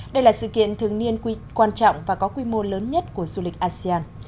đây là sự kiện thường niên quan trọng và có quy mô lớn nhất của du lịch asean